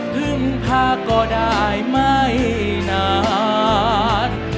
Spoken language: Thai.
พึ่งพาก็ได้ไม่นาน